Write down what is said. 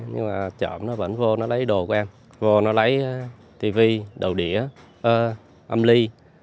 nhưng mà trộm nó vẫn vô nó lấy đồ của em vô nó lấy tv đầu đĩa âm ly